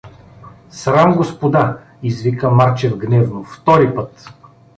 — Срам, господа! — извика Марчев гневно. — Втори път!